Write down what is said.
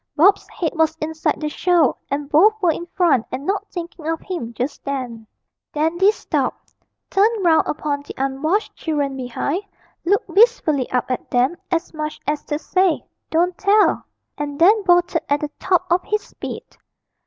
Bob's head was inside the show, and both were in front and not thinking of him just then. Dandy stopped, turned round upon the unwashed children behind, looked wistfully up at them, as much as to say, 'Don't tell,' and then bolted at the top of his speed.